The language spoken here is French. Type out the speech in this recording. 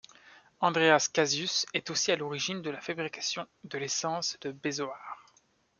Andreas Cassius est aussi à l'origine de la fabrication de l'essence de bézoard.